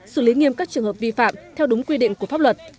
xử lý nghiêm các trường hợp vi phạm theo đúng quy định của pháp luật